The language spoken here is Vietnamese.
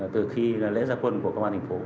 từ khi lễ gia quân của công an thành phố